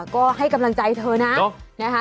ก็ให้กำลังใจเธอนะนะคะ